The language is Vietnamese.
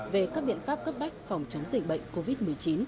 về các biện pháp cấp bách phòng chống dịch bệnh covid một mươi chín